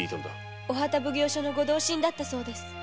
御旗奉行所の御同心だったそうです。